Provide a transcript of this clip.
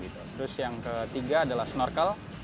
terus yang ketiga adalah snorkel